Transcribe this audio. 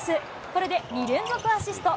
これで２連続アシスト。